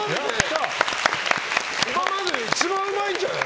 今までで一番うまいんじゃない？